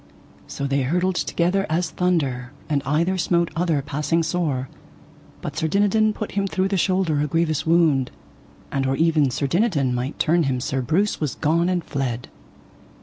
So they hurtled together as thunder, and either smote other passing sore, but Sir Dinadan put him through the shoulder a grievous wound, and or ever Sir Dinadan might turn him Sir Breuse was gone and fled.